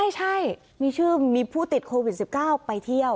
ใช่มีชื่อมีผู้ติดโควิด๑๙ไปเที่ยว